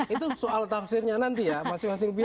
itu soal tafsirnya nanti ya masing masing pihak